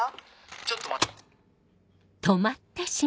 ちょっと待っ。